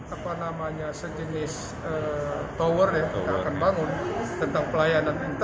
apa namanya sejenis tower ya